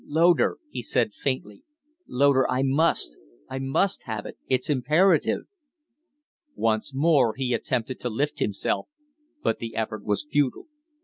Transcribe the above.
"Loder," he said, faintly "Loder, I must I must have it. It's imperative." Once more he attempted to lift himself, but the effort was futile.